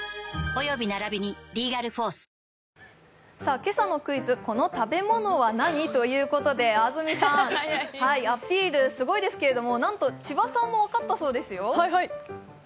今朝のクイズ、この食べ物はなに？ということで、安住さん、アピールすごいですけれども、なんと千葉さんも分かったそうですよ。